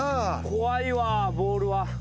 怖いわボールは。